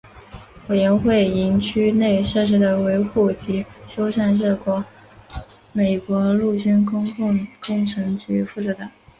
委员会营区内设施的维护及修缮是由美国陆军公共工程局负责的。